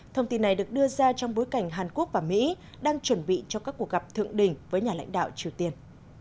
thông tin này được đưa ra trong bối cảnh hàn quốc và mỹ đang chuẩn bị cho các cuộc gặp thượng đỉnh với nhà lãnh đạo triều tiên